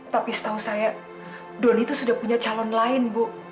tapi setahu saya don itu sudah punya calon lain bu